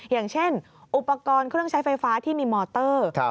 อย่างเช่นอุปกรณ์เครื่องใช้ไฟฟ้าที่มีมอเตอร์